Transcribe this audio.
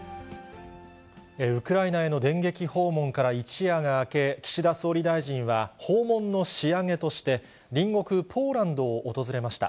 ウクライナへの電撃訪問から一夜が明け、岸田総理大臣は訪問の仕上げとして、隣国ポーランドを訪れました。